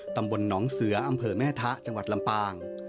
ตำบลหนองเสืออำเภอแม่ทะจังหวัดลำปาง